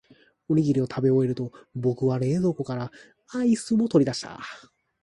おにぎりを食べ終えると、僕は冷凍庫からアイスを取り出した。